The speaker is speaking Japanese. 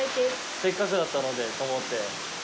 せっかくだったのでと思って。